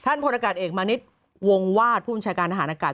พลอากาศเอกมณิชย์วงวาดผู้บัญชาการทหารอากาศ